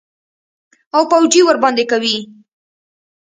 او پوجي ورباندي کوي.